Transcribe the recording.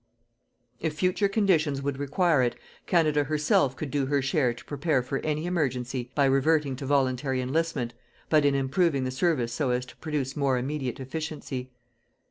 If future conditions would require it, Canada herself could do her share to prepare for any emergency by reverting to voluntary enlistment, but in improving the service so as to produce more immediate efficiency.